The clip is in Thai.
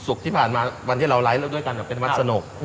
ที่ผ่านมาวันที่เราไลฟ์แล้วด้วยกันเป็นวัดสนุก